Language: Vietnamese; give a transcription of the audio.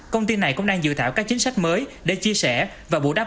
công ty này cũng đang dự thảo các chính sách mới để chia sẻ và bù đắp